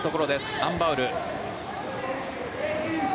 アン・バウル。